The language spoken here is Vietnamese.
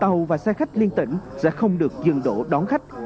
tàu và xe khách liên tỉnh sẽ không được dừng đổ đón khách